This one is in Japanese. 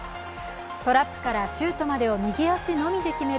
トラップからシュートまでを右足のみで決める